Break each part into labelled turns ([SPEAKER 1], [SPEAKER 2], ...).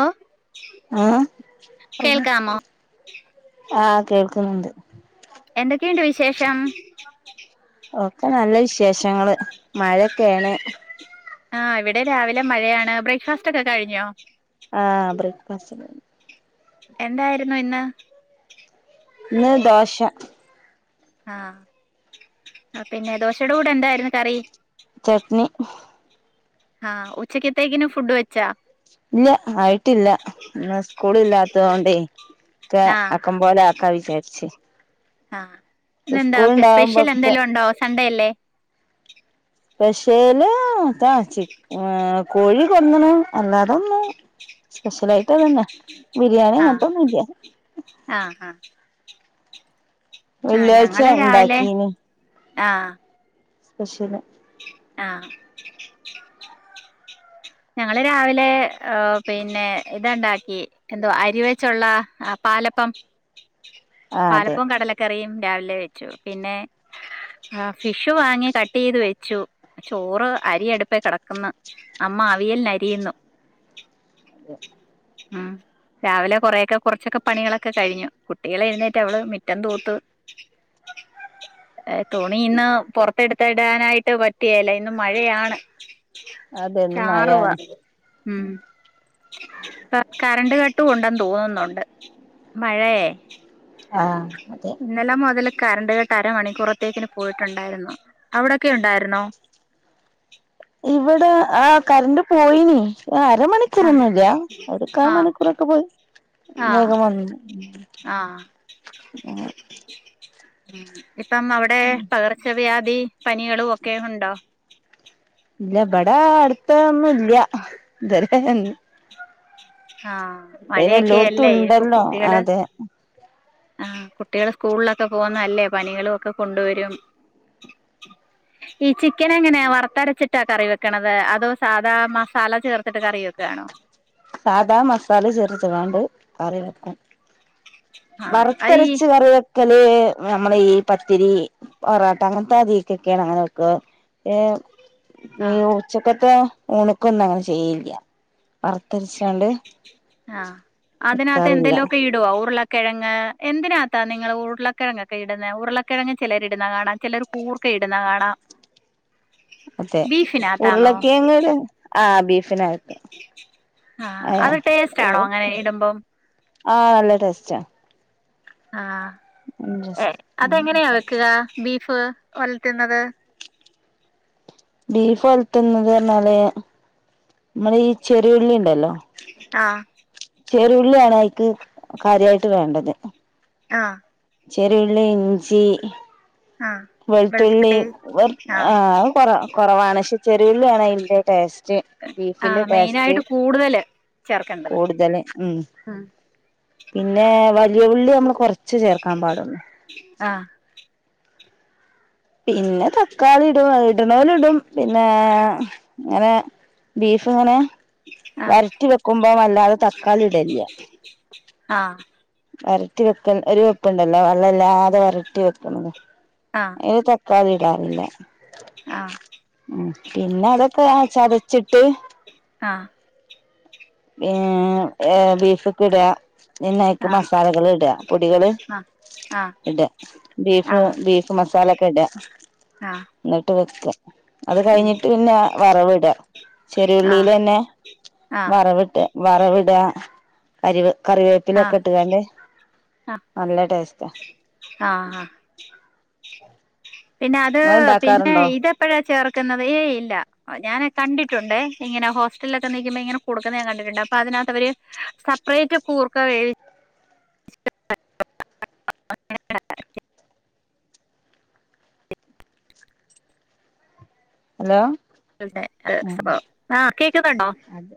[SPEAKER 1] ആഹ്
[SPEAKER 2] ആഹ്, ആഹ്. ആഹ് കേൾക്കുന്ന്ണ്ട്.
[SPEAKER 1] എന്തൊക്കെയുണ്ട് വിശേഷം?
[SPEAKER 2] ഒക്കെ നല്ല വിശേഷങ്ങള്. മഴക്കേണ്.
[SPEAKER 1] ആഹ് ഇവടെ രാവിലെ മഴയാണ്. ബ്രേക്ക്ഫാസ്റ്റൊക്കെ കഴിഞ്ഞൊ?
[SPEAKER 2] ആഹ് ബ്രെക്ക്ഫാസ്റ്റൊക്കെ കഴിഞ്ഞ്.
[SPEAKER 1] എന്തായിരുന്നു ഇന്ന്?
[SPEAKER 2] ഇന്ന് ദോശ.
[SPEAKER 1] ആഹ്. ആഹ് പിന്നെ ദോശയുടെ കൂടെ എന്തായിരുന്നു കറി?
[SPEAKER 2] ചട്നി.
[SPEAKER 1] ആഹ് ഉച്ചക്കത്തേക്ക്ന് ഫുഡ് വെച്ചാ?
[SPEAKER 2] ഇല്ല്യ ആയിട്ടില്ല. ഇന്ന് സ്കൂളില്ലാത്തതോണ്ടെ [unintelligible]
[SPEAKER 1] ആഹ്
[SPEAKER 2] ആക്ക ക്കംമ്പോലെ ആക്കാവിച്ചാരിച്ച്
[SPEAKER 1] ആഹ് ഇന്നെന്താെ പെസ് സ്പെഷ്യൽ
[SPEAKER 2] ഉണ്ടാവുമ്പോക്കെ
[SPEAKER 1] എന്തെലുണ്ടൊ സൺണ്ടെ അല്ലെ?
[SPEAKER 2] സ്പെഷ്യല് താ ചി ഏഹ് കോഴി കൊട്ന്ന്ണ്. അല്ലാതെന്നും സ്പെഷ്യലായിട്ട് അതന്നെ. ബിരിയാണി
[SPEAKER 1] ആഹ്
[SPEAKER 2] അങ്ങനത്തൊന്നുംല്ല
[SPEAKER 1] ആഹ് ആഹ്. ആഹ്
[SPEAKER 2] വെള്ളിയാഴ്ച
[SPEAKER 1] ഞങ്ങള് രാവ് ലെ
[SPEAKER 2] ഉണ്ടാക്കീന്
[SPEAKER 1] ആഹ്.
[SPEAKER 2] [unintelligible]
[SPEAKER 1] ആഹ്. ഞങ്ങള് രാവിലെ ഓഹ് പിന്നെ ഇതാണ്ടാക്കി എന്തോ അരിവെച്ചൊള്ള ആഹ് പാലപ്പം.
[SPEAKER 2] ആഹ് അതെ
[SPEAKER 1] പാലപ്പൊം കടല കറിയും രാവിലെ വെച്ചു. പിന്നെ ആഹ് ഫിഷ് വാങ്ങി കട്ടെയ്ത് വെച്ചു. ചോറ് അരിയട്പ്പേ കെടക്ക്ന്ന്. മ്മ അവിയൽന് അരിയുന്നു.
[SPEAKER 2] അതെ.
[SPEAKER 1] ഉം രാവിലെ കൊറേയൊക്കെ കൊർച്ചൊക്കെ പണികളൊക്കെ കഴിഞ്ഞു. കുട്ടികള് എഴുന്നേറ്റ് അവള് മിറ്റം തൂത്ത് ഏഹ് തുണി ഇന്ന് പൊറത്തെ ട്ത്തിടാനായിട്ട് പിറ്റികേല. ഇന്ന് മഴയാണ്.
[SPEAKER 2] അതെന്നും
[SPEAKER 1] ചാറുവാ
[SPEAKER 2] മഴയാണ്
[SPEAKER 1] ഉം. ക കറണ്ട് കട്ടും ഒണ്ടെന്ന് തോന്നുന്നൊണ്ട്. മഴയേ
[SPEAKER 2] ആഹ് അതെ
[SPEAKER 1] ഇന്നെലെ മൊതല് കറണ്ട് കട്ട് അരമണിക്കൂറത്തേക്ക്ന് പോയിട്ടുണ്ടായിരുന്നു. അവ്ടൊക്കെ ഉണ്ടായിരുന്നോ?
[SPEAKER 2] ഇവടെ ആഹ് കറൻ്റ് പോയിനി. ഏഹ് അരമണി
[SPEAKER 1] ആ
[SPEAKER 2] ക്കൂറൊന്നൂല്ല്യാ. ഒരു കാ
[SPEAKER 1] ആ
[SPEAKER 2] മണിക്കൂറൊക്കെ പോയി. വേഗം വന്നീനി.
[SPEAKER 1] ആ ആ
[SPEAKER 2] [unintelligible]
[SPEAKER 1] ഉം. ഇപ്പം അവടെ പകർച്ചവ്യാധി പനികളും ഒക്കെ ഉണ്ടൊ?
[SPEAKER 2] ഇല്ല്യ. ബെടെ അട്ത്ത് ഒന്നുംല്ല്യാ. ത് വരെ
[SPEAKER 1] ആഹ്
[SPEAKER 2] പിന്നെ
[SPEAKER 1] മഴയൊക്കെ
[SPEAKER 2] എല്ലോടത്തും
[SPEAKER 1] അല്ലെ. ഏക്ക്
[SPEAKER 2] ഉണ്ടല്ലോ
[SPEAKER 1] കുട്ടികള്
[SPEAKER 2] അതെ
[SPEAKER 1] ആഹ് കുട്ടികള് സ്കൂൾലൊക്കെ പോകുന്നല്ലെ. പനികളും ഒക്കെ കൊണ്ട് വരും. [inaudible] ഈ ചിക്കന് എങ്ങനെയാ വറ്ത്തരച്ചിട്ടാ കറി വെക്ക്ണത്. അതൊ സാധാ മസാല ചേർത്തിട്ട് കറി വെക്കണൊ?
[SPEAKER 2] സാധാ മസാല ചേർത്തെച്ച്ങ്ങാണ്ട് കറി വെക്കും.
[SPEAKER 1] ആഹ് അത് ഈ
[SPEAKER 2] വറുത്തരച്ച് കറിവെ വെക്കല് നമ്മള് ഈ പത്തിരി പൊറോട്ട അങ്ങനത്തെ അധിക്കൊക്കെയാണ് അങ്ങനെ വെക്കാ. ഏ.. ഈ
[SPEAKER 1] ആഹ്
[SPEAKER 2] ഉച്ചക്കത്തെ ഊണിനൊന്നും അങ്ങനെ ചെയ്യില്ല വറത്തരിച്ചാണ്ട്.
[SPEAKER 1] ആഹ് അതിനകത്ത് എന്തെലോക്കെഇ ഇടുവോ ഉരുളക്കിഴങ് എന്തിനാത്താ നിങ്ങള് ഉരുളക്കിഴങ്ങക്കെ ഇടുന്നെ ഉരുളക്കിഴങ് ചെലര് ഇടുന്നാകാണാ. ചെലർ കൂർക്ക ഇടുന്ന കാണാം ബീഫിനകത്താന്നോ?
[SPEAKER 2] ആഹ് ബീഫിനകത്ത്.
[SPEAKER 1] ആഹ്
[SPEAKER 2] അയാ
[SPEAKER 1] അത് ടേസ്റ്റ്
[SPEAKER 2] ഓ
[SPEAKER 1] ആണോ അങ്ങനെ ഇടുമ്പം
[SPEAKER 2] ആഹ് നല്ല ടേസ്റ്റാ.
[SPEAKER 1] ആഹ് ഏ അതെങ്ങനെയ? ക്ക്ക ബീഫ് ഒലത്ത്ന്നത്?
[SPEAKER 2] ബീഫ് ഒല്ത്ത്ന്നത് പറഞ്ഞാല് മ്മള് ഈ ചെറിയുള്ളി ഇണ്ടല്ലോ
[SPEAKER 1] ആഹ്.
[SPEAKER 2] ചെറിയോള്ളി ആണ് അയിക്ക് കാര്യായിട്ട് വേണ്ടത്.
[SPEAKER 1] ആഹ്.
[SPEAKER 2] ചെറിയുള്ളി, ഇഞ്ചി
[SPEAKER 1] ആഹ്.
[SPEAKER 2] ത്ത്ള്ളി
[SPEAKER 1] വെളുത്തുള്ളി
[SPEAKER 2] വെറ ആ
[SPEAKER 1] ആഹ്
[SPEAKER 2] അത് കൊറവാ കൊറവാണ് പക്ഷെ ചെറിയൊള്ളിയാണ് അതിന്റെ ടേസ്റ്റ്. ബീഫിന്റെ
[SPEAKER 1] ആഹ്
[SPEAKER 2] ടേസ്റ്റ്
[SPEAKER 1] മെയിനായിട്ട് കൂടുതല് ചേർക്കേണ്ടത്
[SPEAKER 2] കൂടുതല് ഉം. പിന്നെ.. വലിയ ഉള്ളി നമ്മള് കൊറച്ച് ചേർക്കാൻ പാടുള്ള
[SPEAKER 1] ആഹ്.
[SPEAKER 2] പിന്നെ തക്കാളി ഇടും ഇട്ണോല് ഇടും പിന്നെ ങ്ങനെ ബീഫ് ഇങ്ങനെ
[SPEAKER 1] ആഹ്
[SPEAKER 2] വര്ട്ടി വെക്കുമ്പോ വല്ലാതെ തക്കാളി ഇടല്ല്യ.
[SPEAKER 1] ആഹ.
[SPEAKER 2] വരട്ടി വെക്കൽ ഒരു വെപ്പ്ണ്ടല്ലോ വെള്ളല്ലാതെ വരട്ടി വെക്ക്ണത്.
[SPEAKER 1] ആഹ്
[SPEAKER 2] ഐല് തക്കാളി ഇടാറില്ല. പിന്നെ അതൊക്കെ ആ ചതച്ചിട്ട്
[SPEAKER 1] ആഹ്
[SPEAKER 2] ഏ എ ബീഫ്ക്ക് ഇടാ പിന്നൈക്ക്
[SPEAKER 1] ആഹ്
[SPEAKER 2] മസാലകള് ഇട പൊടികള്
[SPEAKER 1] ആഹ് ആഹ്
[SPEAKER 2] ഇട ബീഫ്
[SPEAKER 1] ആഹ്
[SPEAKER 2] ബീഫ് മസാലൊക്കെ ഇട
[SPEAKER 1] ആഹ് ആഹ്
[SPEAKER 2] ന്ന്ട്ട് വെക്ക. അത് കയ്
[SPEAKER 1] ഉം
[SPEAKER 2] ഞ്ഞിട്ട് പിന്നെ വറവ്ടാ
[SPEAKER 1] ആഹ്
[SPEAKER 2] ചെറിയുള്ളിലെന്നെ.
[SPEAKER 1] ആഹ്
[SPEAKER 2] വറവ്ട്ട് വറവ്ടാ കരിവ്
[SPEAKER 1] ആഹ്
[SPEAKER 2] കറിവേപ്പിലൊക്കെ ഇട്ട്കാണ്ട് നല്ല ടേസ്റ്റ.
[SPEAKER 1] ആഹ ഹാ. പിന്നെ അത്
[SPEAKER 2] ഇങ്ങള്
[SPEAKER 1] പിന്നെ
[SPEAKER 2] ഇണ്ടാക്കാറുണ്ടോ
[SPEAKER 1] ഇതെപ്പഴാ ചേർക്ക്ന്നത്? ഏ ഇല്ല. ഞാന് കണ്ടിട്ടുണ്ടേ ഇങ്ങനെ ഹോസ്റ്റലൊക്കെ നീക്കുമ്പോ ഇങ്ങനെ കൊടുക്കന്നെ ഞാ കണ്ടിട്ടുണ്ട് അപ്പൊ അതിനാത്ത് അവര് സപ്പറേറ്റ് ക്കൂർക്ക വേവി
[SPEAKER 2] ഹലോ.. ഉം
[SPEAKER 1] [unintelligible] ആഹ് കേക്ക്ന്നോണ്ടോ?
[SPEAKER 2] അത്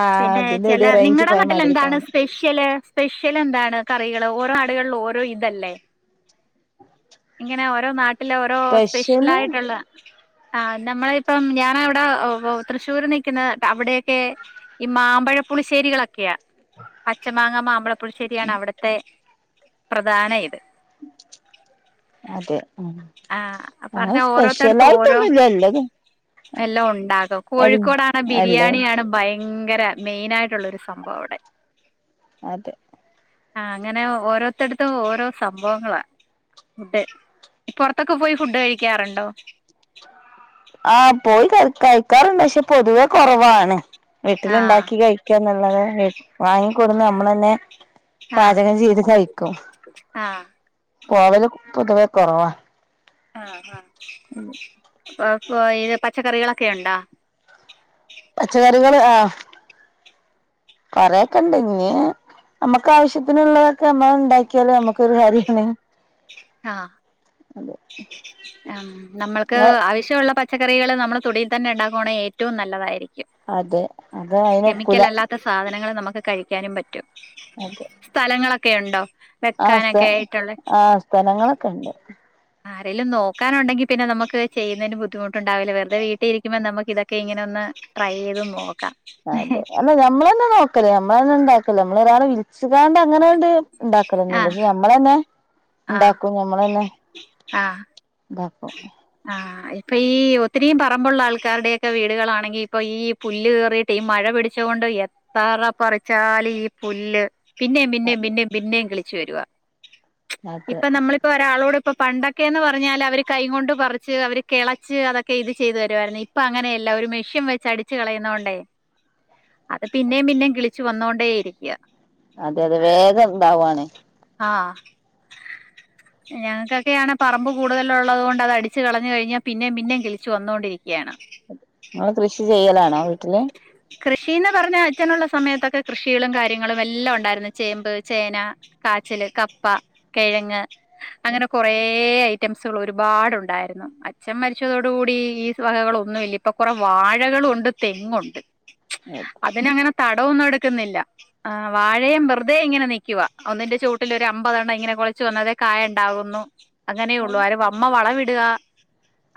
[SPEAKER 2] ആഹ്
[SPEAKER 1] പിന്നെ ചെല
[SPEAKER 2] അതിന്റെടി റേഞ്ച്
[SPEAKER 1] നിങ്ങടെ
[SPEAKER 2] പോയ
[SPEAKER 1] നാട്ടിൽ
[SPEAKER 2] മാതിരി
[SPEAKER 1] എന്താണ്
[SPEAKER 2] തോന്നി
[SPEAKER 1] സ്പെഷ്യല്? സ്പെഷ്യൽ എന്താണ് കറികള് ഓരോ നാടുകള് ഓരോ ഇതല്ലേ? ഇങ്ങനെ ഓരോ നാട്ടില ഓരോ സ്പെഷ്യൽ
[SPEAKER 2] സ്പെഷ്യല്
[SPEAKER 1] ആയിട്ടുള്ള ആ നമ്മളി ഇപ്പം ഞാൻ വടെ തൃശ്ശൂര് നിക്ക്ന്ന അവിടെക്കെ ഈ മാമ്പഴപ്പുളിശേരികളൊക്കെയാ പച്ചമാങ്ങ മാമ്പഴ പുളിശ്ശേരി ആണ് അവിട്ത്തെ പ്രധാന ഇത്.
[SPEAKER 2] അതെ ഉം
[SPEAKER 1] ആഹ
[SPEAKER 2] ഞങ്ങള്
[SPEAKER 1] പറഞ്ഞാ ഓരോത്തടുത്തും ഓരോ
[SPEAKER 2] സ്പെഷ്യലായിട്ടൊന്നുല്ല ഇല്ലത്
[SPEAKER 1] എല്ലാം ഒണ്ടാകും
[SPEAKER 2] എൽ
[SPEAKER 1] കോഴിക്കോടാണെ
[SPEAKER 2] അല്ല
[SPEAKER 1] ബിരിയാണിയാണ് ഭയങ്ക ര മെയിനായിട്ടുള്ള ഒരു സംഭവം അവ്ടെ.
[SPEAKER 2] അതെ.
[SPEAKER 1] ആഹ് അങ്ങനെ ഓരോത്തട്ത്തും ഓരോ സംഭവങ്ങളാ. ഫുഡ് പൊറത്തൊക്കെ പോയി ഫുഡ് കഴിക്കാറ്ണ്ടോ?
[SPEAKER 2] ആഹ് പോയി കയ് കഴിക്കാറ്ണ്ട് പക്ഷെ പൊതുവെ കൊറവാണ്
[SPEAKER 1] ആഹ്
[SPEAKER 2] വീട്ടില്ണ്ടാക്കി കയ് ക്ക്യോന്നല്ലാതെ വാങ്ങി ക്കൊട്ന്ന് അമ്മളെന്നെ
[SPEAKER 1] ആഹ്
[SPEAKER 2] പാചകം ചെയ്ത് കഴിക്കും
[SPEAKER 1] ആഹ്
[SPEAKER 2] പോവല് പൊതുവെ കൊറവാ.
[SPEAKER 1] ആഹ് ആഹ് അപ്പൊ പ്പൊ പച്ചക്കറികളൊക്കെ ഒണ്ടോ?
[SPEAKER 2] പച്ചക്കറികള് ആഹ് കൊറെക്കെ ഇണ്ട് ഇഞ്‌ അമ്മക്ക് ആവശ്യത്തിന് ഇള്ളതൊക്കെ അമ്മള് ഇണ്ടാക്കി യാലോ അമ്മക്കൊരു കാര്യാണ് അതെ.
[SPEAKER 1] ആ നമ്മൾക്ക് ആവശ്യോള്ള പ ച്ചക്കറികള് നമ്മളെ തൊടിയിൽ തന്നെ ഒണ്ടാക്കുവാണെ ഏറ്റവും നല്ലതായി
[SPEAKER 2] അതെ അത് അയിന് ഒക്കൂല.
[SPEAKER 1] സാധനങ്ങള് നമ്മക്ക് കഴിക്കാനും പറ്റും.
[SPEAKER 2] അതെ.
[SPEAKER 1] സ്ഥലങ്ങളൊക്കെയുണ്ടോ?
[SPEAKER 2] ആഹ് സ്ഥ ആ സ്ഥലങ്ങളൊക്കെണ്ട്.
[SPEAKER 1] ആരേലും നോക്കാനുണ്ടെങ്കി പിന്നെ നമുക്ക് ചെയ്യുന്നേന് ബുദ്ധിമുട്ടുണ്ടാവില്ല വെറ്തെ വീട്ടില് ഇരിക്കുമ്പം നമുകിത ക്കെ ഇങ്ങനെ ഒന്ന് ട്രൈ ചെയ്ത് നോക്കാം.
[SPEAKER 2] അതെ അല്ല ഞമ്മളെന്നെ നോക്കല് ഞമ്മളെന്നെ ഇണ്ടാക്കല് ഞമ്മള് ഒരാളെ വിളിച്ച്ങാണ്ട് അങ്ങനാണ്ട് ഇണ്ടാക്കലൊന്നുല്ല
[SPEAKER 1] ആഹ്
[SPEAKER 2] പക്ഷേ ഞമ്മളെന്നെ
[SPEAKER 1] ആഹ്
[SPEAKER 2] ഇണ്ടാക്കും ഞമ്മളെന്നെ
[SPEAKER 1] ആഹ്
[SPEAKER 2] ഇണ്ടാക്കും
[SPEAKER 1] ആഹ്. ഇപ്പൊ ഈ ഒത്തിരീം പറമ്പുള്ള ആൾക്കാരുടെയൊക്കെ വീടുകളാണെങ്കി ഇപ്പൊ ഈ പുല്ല് കേറി ഈ മഴ പിടിച്ച കൊണ്ട് എത്ര പറിച്ചാലും ഈ പുല്ല് പിന്നെം പിന്നെം
[SPEAKER 2] അതെ
[SPEAKER 1] പിന്നെം പിന്നെയും കിളിച്ചു വരുവാ ഇപ്പ നമ്മള് ഇപ്പൊ ഒരാളോട് ഇപ്പൊ പണ്ടൊക്കെ എന്ന് പറഞ്ഞാല് അവര് കൈ കൊണ്ട് പറിച്ച് അവര് കെളച്ച് അതൊക്കെ ഇത് ചെയ്ത് തരുവായിരുന്നു ഇപ്പ അങ്ങനെയല്ല ഒരു മെഷ്യൻ വെച്ച് അടി ച്ച് കളയുന്നോണ്ടേ അത് പിന്നേം പിന്നേം കിളിച്ചു വന്നോണ്ടേ ഇരിക്ക
[SPEAKER 2] അതെ അതെ വേഗം ഇണ്ടാവാണ്
[SPEAKER 1] ആഹ് ഞങ്ങക്കൊക്കെ ആണേ പറമ്പ് കൂടുതലുള്ളത് കൊണ്ട് അത് അടിച്ച് കളഞ്ഞു കഴിഞ്ഞാ പിന്നെയും പിന്നെയും കിളിച്ച് വന്നോണ്ടിരിക്കുകയാണ്
[SPEAKER 2] ഇങ്ങള് കൃഷി ചെയ്യലാണോ വീട്ടില്?
[SPEAKER 1] കൃഷീന്ന് പറഞ്ഞാ അച്ഛനുള്ള സമയത്തൊക്കെ കൃഷികളും കാര്യങ്ങളും എല്ലാം ഒണ്ടായിരുന്നു ചേമ്പ്, ചേന കാച്ചില്, കപ്പ, കിഴങ്ങ് അങ്ങനെ കൊറേ ഐറ്റംസുകള് ഒരുപാടുണ്ടായിരുന്നു അച്ഛൻ മരിച്ചതോടു കൂടി ഈ വകകളൊന്നും ഇല്ല ഇ പ്പൊ കൊറ വാഴകളുണ്ട്, തെങ്ങുണ്ട്
[SPEAKER 2] അതെ
[SPEAKER 1] അതിനങ്ങനെ തടവൊന്നും എടുക്കുന്നില്ല വാഴയും വെറുതെ ഇങ്ങനെ നിക്കുവ ഒന്നിന്റെ ചൂവട്ടില് ഒരു അമ്പതെണ്ണം ഇങ്ങനെ കൊളച്ച് വന്നതെ കായ ഇണ്ടകുന്നു അങ്ങനെയൊള്ളൂ ആര് അമ്മ വളവിട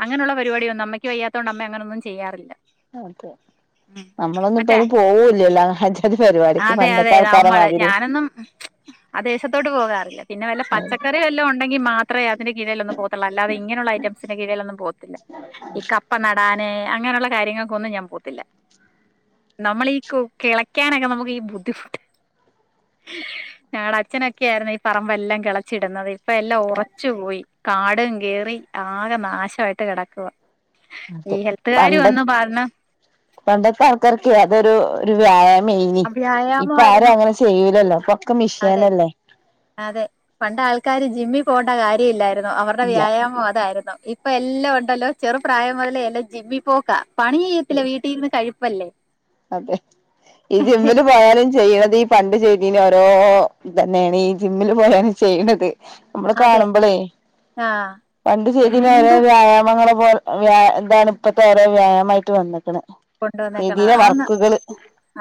[SPEAKER 1] അങ്ങനെയുള്ള പരിപാടിയൊന്നും അമ്മയ്ക്ക് വയ്യാത്തെ കൊണ്ട് അമ്മ അങ്ങനൊന്നും ചെയ്യാറില്ല
[SPEAKER 2] അതെ നമ്മളൊന്നും ഇപ്പ
[SPEAKER 1] മറ്റേ
[SPEAKER 2] അയിന് പോവോ ഇലല്ലോ
[SPEAKER 1] അതെ അതെ നമ്മളെ ഞാനൊന്നും ആദേശത്തോട്ട് പോകാറില്ല പിന്നെ വല്ല
[SPEAKER 2] അതെ
[SPEAKER 1] പച്ചക്കറി വല്ലാം ഉണ്ടെങ്കി മാത്രം അത്ര അതിന്റെ കീഴിൽ ഒന്ന പോത്തുള്ള അല്ലാതെങ്ങനെയുള്ള ഐറ്റസിന്റെ കീഴിലൊന്ന പോ ഇപ്പ നടാന് അങ്ങനെയുള്ള കാര്യങ്ങൾക്കൊന്നും ഞാൻ പോകത്തില്ല നമ്മളീ ഈ കിളക്കാനൊക്കെ നമുക്ക് ബുദ്ധിമുട്ട് ഞങ്ങടെ അച്ഛനൊക്കെയ ആയിരുന്നു ഈ പറമ്പെല്ലാം കിളച്ചിടുന്നത് ഇപ്പ എല്ലാം ഉറച്ചു പോയി കാടും കേറി ആകെ നാശമായിട്ട് കിടക്കുക ഈ ഹെൽത്തുകാരി
[SPEAKER 2] പണ്ട
[SPEAKER 1] വന്നു പറഞ്ഞു
[SPEAKER 2] പണ്ടത്തെ ആൾക്കാർക്ക അതൊരു ഒരു വ്യായാമ മെയിനി ഇപ്പൊ ആരും
[SPEAKER 1] വ്യായാമായിരുന്നു
[SPEAKER 2] അങ്ങനെ ചെയൂലല്ലോ ഇപ്പൊക്കെ
[SPEAKER 1] അതെ
[SPEAKER 2] മിഷിയനല്ലേ
[SPEAKER 1] അതെ പണ്ട ആൾക്കാര് ജിമ്മിൽ പോകേണ്ട കാര്യമല്ലായിരുന്നു അവരുടെ
[SPEAKER 2] ഇല്ല
[SPEAKER 1] വ്യായാമ അതായിരുന്നു ഇപ്പൊ എല്ലാം ഉണ്ടല്ലോ ചെറുപ്രായം മുതലേ എല്ലാം ജിമ്മി പോക്കാ പണി ചെയ്യത്തില്ല വീട്ടിൽരുന്ന് കഴിപ്പല്ലേ
[SPEAKER 2] അതെ ഈ ജിമ്മന് പോയാനും ചെയ്യണത് പണ്ട്ച്തീ ഓരോ ഇ തന്നെയാണ് ഈ ജിമ്മില് പോലാണ് ചെയ്യത് നമ്മള്
[SPEAKER 1] അതെ
[SPEAKER 2] കാണുമ്പോളേ
[SPEAKER 1] ആഹ്
[SPEAKER 2] പണ്ട് ചെയ്തി ഓരോ
[SPEAKER 1] എന്ത്
[SPEAKER 2] വ്യായാമങ്ങളെ പോലെ വ്യ ഇതാണ് ഇപ്പത്തെേറെ വ്യായാമമായിട്ട് വന്നിക്കണ
[SPEAKER 1] കൊണ്ടുവന്നേക്കണം ആന്ന്
[SPEAKER 2] ക്കുകള്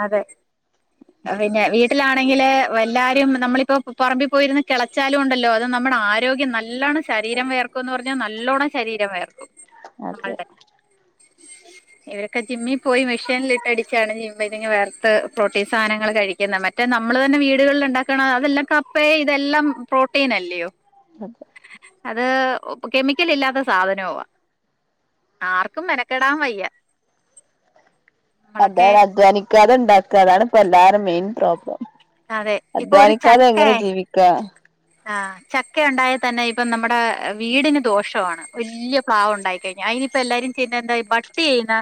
[SPEAKER 1] അതെ പിന്നെ വീട്ടിലാണെങ്കില് എല്ലരും നമ്മളിപ്പോ പറമ്പിൽ പോയിരുന്ന കള ച്ചാലും ഉണ്ടല്ലോ അത് നമ്മുടെ ആരോഗ്യം നല്ലണം ശരീരം വേർക്കും എന്ന് പറഞ്ഞാൽ നല്ലോണ്ണം ശരീരം വേർക്കും
[SPEAKER 2] അതെ
[SPEAKER 1] നമ്മളുടെ ഒക്കെ ജിമ്മിൽ പോയി മെഷീനിൽട്ടടിച്ചാണ് ജിമ്മ ഇ വേർത്ത് പ്രോട്ടീൻ സാധനങ്ങൾ കഴിക്കുന്നത് മറ്റേ മറ്റേ നമ്മള് തന്നെ വീടുകളിൽ ഉണ്ടാക്കണം അതെല്ലാം കപ്പയേ ഇതെല്ലാം പ്രോട്ടീന അല്ലയോ
[SPEAKER 2] അതെ
[SPEAKER 1] അത് കെമിക്കൽ ഇല്ലാത്ത സാധനോവാ ആർക്കും മെനക്കെടാൻ വയ്യ നമ്മളൊക്കെ
[SPEAKER 2] അതായത് അധ്വാനിക്കാതെ ഉണ്ടാക്കാതാണ് ഇപ്പൊ എല്ലാരും മെയിൻ പ്രോബ്ലം
[SPEAKER 1] അതെ ഇപ്പൊ
[SPEAKER 2] അധ്വാനിക്കതെ എങ്ങനെ ജീവിക്കാ
[SPEAKER 1] ആഹ് ചക്ക ഉണ്ടായൽ തന്നെ ഇപ്പ നമ്മുടെ വീടിന് ദോഷവാണ് വല്യ പ്ലാവ് ഉണ്ടായി കഴിഞ്ഞ അതിനിപ്പല്ലാരും ചെയ്യ എന്താ ബട്ടി ചെയ്യുന്ന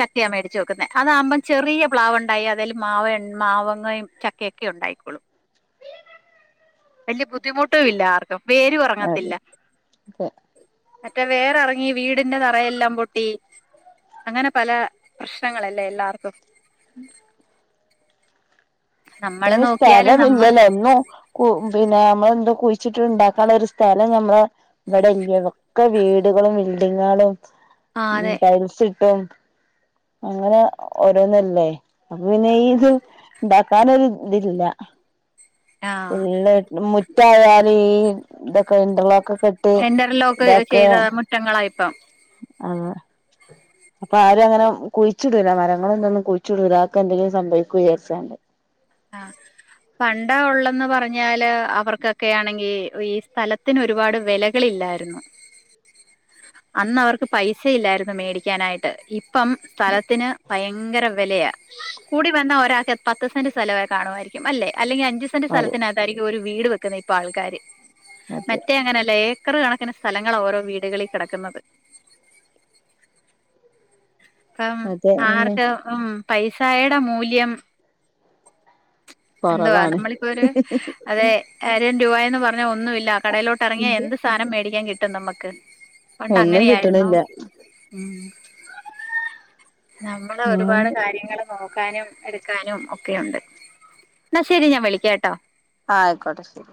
[SPEAKER 1] ചക്കയാ മേടിച്ച് വെക്കുന്ന അതാ വുമ്പം ചെറിയ പ്ലാവ് ഇണ്ടായി അതേല് മാവ മാവങ്ങയും ചക്കയക്കെ ഒക്കെ ഉണ്ടായിക്കോള്ളും. വല്യേ ബുദ്ധിമുട്ടും ഇല്ലാർക്കും വേരു
[SPEAKER 2] അതെ
[SPEAKER 1] എറങ്ങത്തില്ല
[SPEAKER 2] അതെ
[SPEAKER 1] മറ്റേ വേറെറങ്ങി വീടിന്റെ തറയെല്ലാം പൊട്ടി അങ്ങനെ പല പ്രശ്നങ്ങളല്ലേ എല്ലാർക്കും
[SPEAKER 2] ഉം പി
[SPEAKER 1] നമ്മള് നോക്കിയാല് നമ്മള്
[SPEAKER 2] സ്ഥലമില്ലല്ലോ എങ്ങും. കു പിന്നെ അമ്മളന്തും കുഴിച്ചിട്ട് ഇണ്ടാക്കള്ളെരു സ്ഥലം നമ്മള ഇവിടെഇല്ലെനും ക്കൊ വീ ടുകളും ബിൽഡിങേളും
[SPEAKER 1] ആ അതെ
[SPEAKER 2] ടൈൽസ് ഇട്ടും അങ്ങനെ ഓരോന്നല്ലേ അപ്പൊ പിന്നെ ഈ ഇത് ഇണ്ടാക്കാനൊരു ഇതില്ല
[SPEAKER 1] ആ
[SPEAKER 2] ഫുള്ള് മുറ്റായല് ഈ ഇതൊക്കെ ഇറർലോക്കൊ കെ
[SPEAKER 1] എന്റർലോക്ക് ചെയ്ത മുറ്റങ്ങളായിപ്പം
[SPEAKER 2] അതെ അപ്പൊ ആരുങ്ങനെ കുഴിച്ചിടൂല മരങ്ങളൊന്നൊന്നും കുഴിച്ചിടൂല അഒക്കെ എന്തെങ്കിലും സംഭവിക്കും വിയാരിച്ചാണ്ട്
[SPEAKER 1] ആഹ്. പണ്ട ഉള്ളെന്ന് പറഞ്ഞാല് അവർക്കൊക്കെയാണെങ്കി ഈ സ്ഥലത്തിന് ഒരുപാട് വെല. കളില്ലാരുന്നു അന്നവർക്ക് പൈസ ഇല്ലാരുന്നു മേടിക്കാനായിട്ട്. ഇപം സ്ഥലത്തിന് ഭയങ്കര വെലയ കൂടി വന്ന ഒരാക്ക് പത്ത് സെന്റ്. സ്ഥലവെ കാണുവായിരിക്കും അല്ലെ അല്ലെങ്കി അഞ്ചു സെന്റ്
[SPEAKER 2] അതെ
[SPEAKER 1] സ്ഥലനകത്തായിരിക്കും ഒരു വീട് വെക്ക്ന്നെ ഇപ്പൊ ആൾക്കാര്.
[SPEAKER 2] അതെ
[SPEAKER 1] മറ്റെ അങ്ങനല്ല ഏക്കറ് കണക്കിന് സ്ഥലങ്ങള ഓരോ വീടുകളി കടക്ക്ന്നത്. പ്പം
[SPEAKER 2] അതെ തന്നെ
[SPEAKER 1] ആർക്ക് ഉം പൈസായ്ടെ മൂല്യം. എന്ത്വ
[SPEAKER 2] കൊറവാണ്
[SPEAKER 1] നമ്മളിപ്പൊര് അതേ ആയിരം രൂപയെന്ന് പറഞ്ഞാ ഒന്നുമില്ല കടയിലോട്ട് എറങ്ങിയ എന്ത്. സാനം മേടിക്കാൻ കിട്ടും നമ്മക്ക് പണ്ട
[SPEAKER 2] ഒന്നും
[SPEAKER 1] അങ്ങനെയായിരുന്നൊ?
[SPEAKER 2] കിട്ടണില്ല
[SPEAKER 1] ഉം നമ്മടെ ഒരുപാട് കാര്യങ്ങള് നോക്ക ക്കാനും എട്ക്കാനും ഒക്കെയുണ്ട്. ഇന്ന ശരി ഞാൻ വിളിക്കാട്ടൊ.
[SPEAKER 2] ആഹ് അയ്ക്കോട്ടെ ശരി.